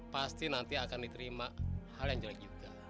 pasti nanti akan diterima hal yang jelek juga